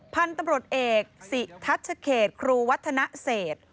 พันธบรรดเอกศิษฐชเขตครูวัฒนะเศษ